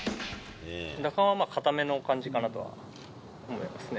打感は硬めの感じかなとは思いますね。